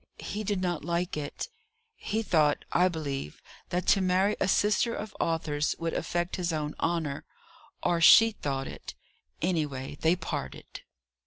He did not like it; he thought, I believe, that to marry a sister of Arthur's would affect his own honour or she thought it. Anyway, they parted."